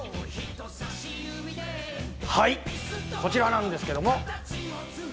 はい、こちらなんですけれども。